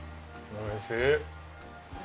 おいしい。